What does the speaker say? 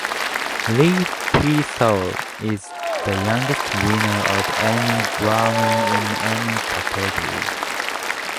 Leah Peasall is the youngest winner of any Grammy in any category.